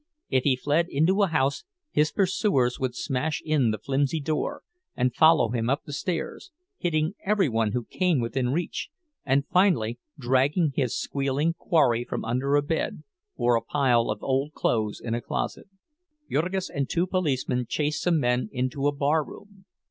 If he fled into a house his pursuer would smash in the flimsy door and follow him up the stairs, hitting every one who came within reach, and finally dragging his squealing quarry from under a bed or a pile of old clothes in a closet. Jurgis and two policemen chased some men into a bar room.